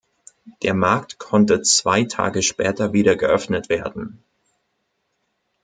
Der Markt konnte zwei Tage später wieder geöffnet werden.